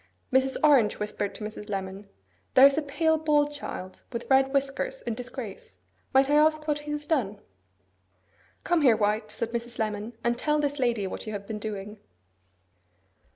Mrs. Orange whispered to Mrs. Lemon, 'There is a pale, bald child, with red whiskers, in disgrace. Might I ask what he has done?' 'Come here, White,' said Mrs. Lemon, 'and tell this lady what you have been doing.